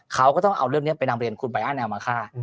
เขาก็ต้องเอาเรื่องนี้ไปนำเรียนคุณไปอ้างแนวมาฆ่า